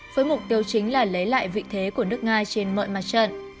với mục tiêu chính là lấy lại vị thế của nước nga trên mọi mặt trận